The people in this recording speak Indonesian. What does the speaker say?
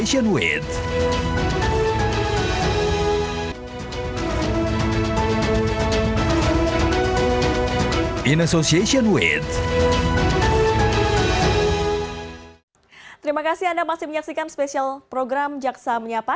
terima kasih anda masih menyaksikan spesial program jaksa menyapa